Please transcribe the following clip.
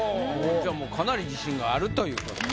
じゃあもうかなり自信があるという事で。